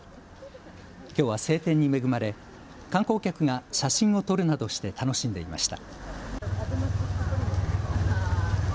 きょうは晴天に恵まれ観光客が写真を撮るなどして楽しんでいました。